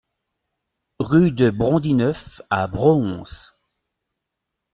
Rue de Brondineuf à Broons